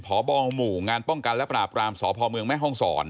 ผอบองหมู่งานป้องกันและประนาบรามสพเมฆฮ